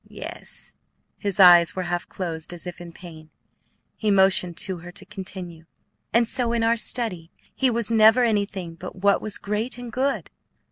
"Yes?" His eyes were half closed as if in pain; he motioned to her to continue. "And so, in our study, he was never anything but what was great and good.